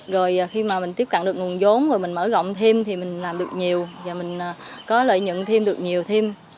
rồi khi mà mình tiếp cận được nguồn vốn rồi mình mở rộng thêm thì mình làm được nhiều và mình có lợi nhận thêm được nhiều thêm